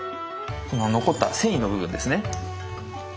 残った繊維の部分ですね。